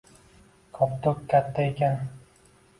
Koptok katta ekan